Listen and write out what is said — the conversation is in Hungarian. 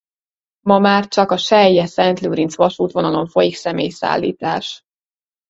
Ma már csak a Sellye–Szentlőrinc-vasútvonalon folyik személyszállítás.